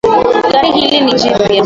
Gari hili ni jipya